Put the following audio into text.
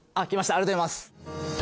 ありがとうございます。